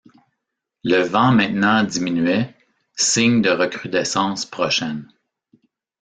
Le vent maintenant diminuait, signe de recrudescence prochaine.